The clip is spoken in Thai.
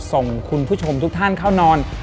ส่งคุณผู้ชมทุกท่านเข้านอน